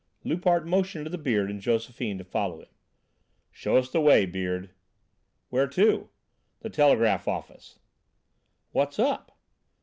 Loupart motioned to the Beard and Josephine to follow him. "Show us the way, Beard." "Where to?" "The telegraph office." "What's up?"